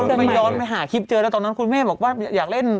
ทำไมย้อนไปหาคลิปเจอแล้วตอนนั้นคุณแม่บอกว่าอยากเล่น